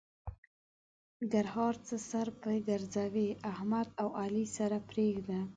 ګړهار: څه سر په ګرځوې؛ احمد او علي سره پرېږده.